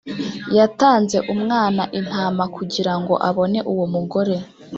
yatanze umwana intama kugira ngo abone uwo mugore